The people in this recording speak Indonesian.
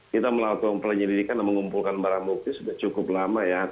kita melakukan penyelidikan dan mengumpulkan barang bukti sudah cukup lama ya